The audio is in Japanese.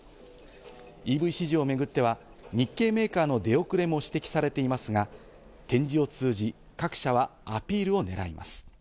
ＥＶ市場を巡っては、日系メーカーの出遅れも指摘されていますが、展示を通じ、各社はアピールを狙います。